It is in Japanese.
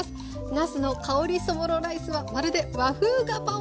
なすの香りそぼろライスはまるで和風ガパオライス！